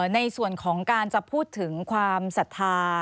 ในส่วนของการจะพูดถึงความศรัทธา